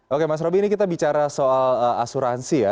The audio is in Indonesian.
oke mas roby ini kita bicara soal asuransi ya